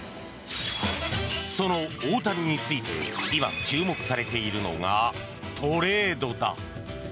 その大谷について今注目されているのがトレードだ。